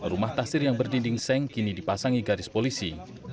rumah tasir yang berdinding seng kini dipasangi garis polisi